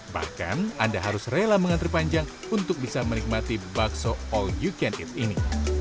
bahkan anda harus rela mengantri panjang untuk bisa menikmati bakso all you can eat ini